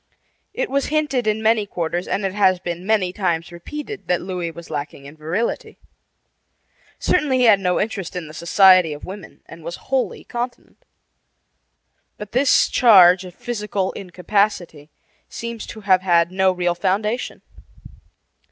It was hinted in many quarters, and it has been many times repeated, that Louis was lacking in virility. Certainly he had no interest in the society of women and was wholly continent. But this charge of physical incapacity seems to have had no real foundation.